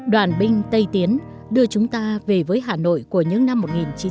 đoàn binh tây tiến đưa chúng ta về với hà nội của những năm một nghìn chín trăm bảy mươi